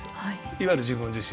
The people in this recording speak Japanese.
いわゆる自分自身。